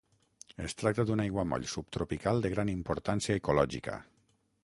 Es tracta d'un aiguamoll subtropical de gran importància ecològica.